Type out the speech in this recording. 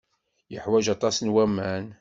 Yeḥwaj aṭas n waman.